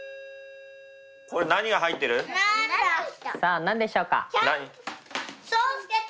さあ何でしょうか？